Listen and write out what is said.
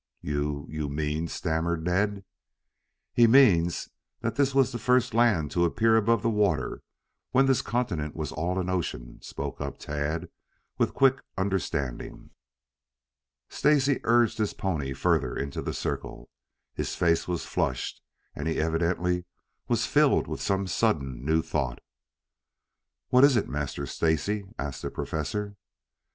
"You you mean " stammered Ned. "He means this was the first land to appear above the water when this continent was all an ocean," spoke up Tad, with quick understanding. Stacy urged his pony further into the circle. His face was flushed and he evidently was filled with some sudden new thought. "What is it, Master Stacy?" asked the Professor.